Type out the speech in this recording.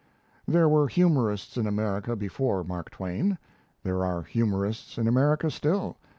There were humorists in America before Mark Twain; there are humorists in America still.